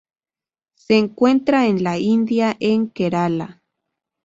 Se encuentra en la India en Kerala.